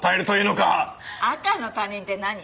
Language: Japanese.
赤の他人って何？